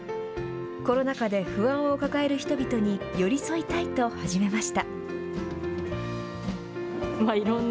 コロナ禍で不安を抱える人々に寄り添いたいと始めました。